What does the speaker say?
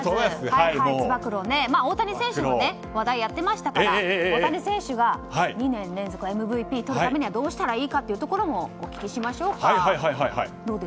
大谷選手の話題をやっていましたから大谷選手が２年連続ＭＶＰをとるためにはどうしたらいいかというところもお聞きしましょうか。